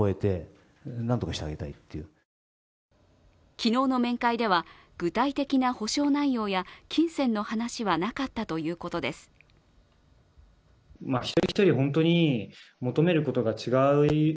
昨日の面会では、具体的な補償内容や金銭の話はなかったということです。え？